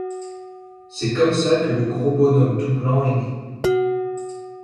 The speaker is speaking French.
C’est comme ça que le gros bonhomme tout blanc est né.